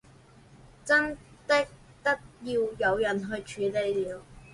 真的得要有人去處理了